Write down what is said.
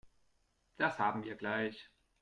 Das haben wir gleich.